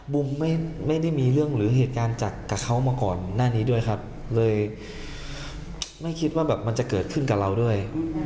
บุมไม่ได้มีเรื่องหรือเหตุการณ์จากกับเขามาก่อนหน้านี้ด้วยครับเลยไม่คิดว่าแบบมันจะเกิดขึ้นกับเราด้วย